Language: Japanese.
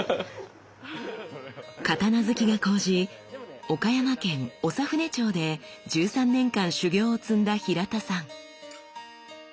刀好きが高じ岡山県長船町で１３年間修行を積んだ平田さん。